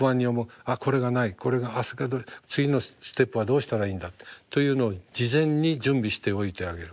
「これがないこれが次のステップはどうしたらいいんだ」というのを事前に準備しておいてあげる。